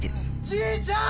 じいちゃん！